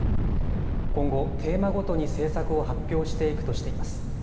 今後、テーマごとに政策を発表していくとしています。